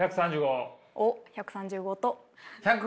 おっ１３５と。